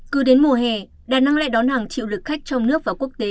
cứ đến mùa hè đà nẵng lại đón hàng triệu lực khách trong nước và quốc tế